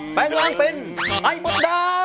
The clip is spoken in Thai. แดงร้างเป็นไอบ๊อบดาย